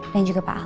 dan juga pak al